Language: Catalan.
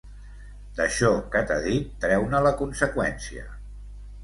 D'això que t'ha dit, treu-ne la conseqüència.